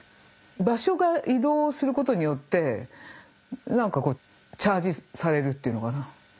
場所が移動することによって何かこうチャージされるっていうのかなエネルギーが。